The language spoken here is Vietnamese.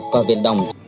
qua viện đồng